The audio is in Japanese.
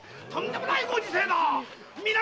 とんでもないご時世だ！